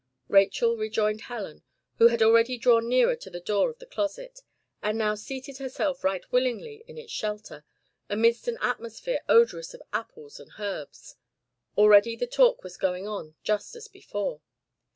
Rachel rejoined Helen, who had already drawn nearer to the door of the closet, and now seated herself right willingly in its shelter, amidst an atmosphere odorous of apples and herbs. Already the talk was going on just as before.